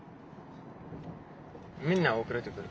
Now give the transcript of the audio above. みんな遅れてくる。